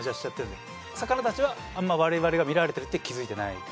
魚たちはあんま我々から見られてるって気づいてない。